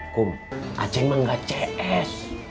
kum a ceng mah nggak cs